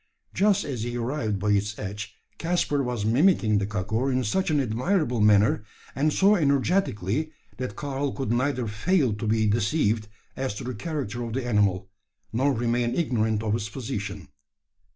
Just as he arrived by its edge, Caspar was mimicking the kakur in such an admirable manner, and so energetically, that Karl could neither fail to be deceived as to the character of the animal, nor remain ignorant of its position.